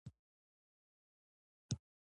ما د بیت المقدس نقاشي، تسبیح او څو جانمازونه واخیستل.